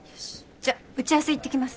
じゃ打合せ行ってきます。